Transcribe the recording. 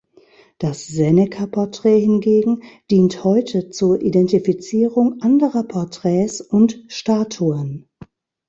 Das Seneca-Porträt hingegen dient heute zur Identifizierung anderer Porträts und Statuen.